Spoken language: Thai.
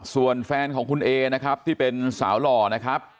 ส่วนแฟนของคุณเอนะครับที่เป็นสาวหล่อนะครับ